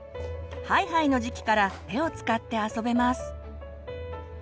ハイハイの時期から手を使って遊べます。